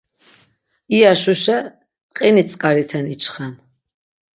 İya şuşe qini tzǩariten içxen.